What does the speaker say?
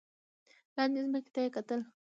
لاندې ځمکې ته یې کتل.